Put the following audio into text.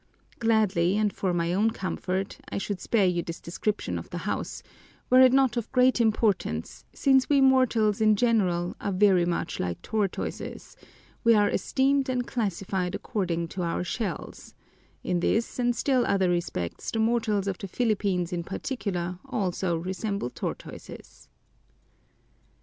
Gladly, and for my own comfort, I should spare you this description of the house, were it not of great importance, since we mortals in general are very much like tortoises: we are esteemed and classified according to our shells; in this and still other respects the mortals of the Philippines in particular also resemble tortoises.